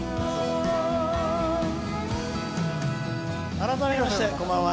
改めまして、こんばんは。